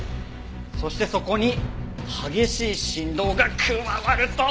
そしてそこに激しい振動が加わると。